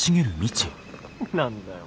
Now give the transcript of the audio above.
何なんだよ。